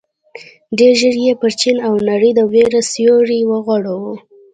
ډېر ژر یې پر چين او نړۍ د وېر سيوری وغوړاوه.